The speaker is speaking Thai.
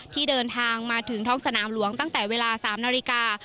ที่เดินทางมาถึงท้องสนามหลวงตั้งแต่เวลา๓นาฬิกา